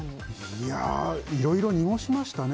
いや、いろいろ濁しましたね。